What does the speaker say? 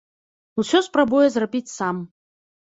Усё спрабуе зрабіць сам.